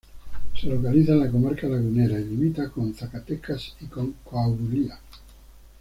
Se localiza en la Comarca Lagunera, y limita con Zacatecas y con Coahuila.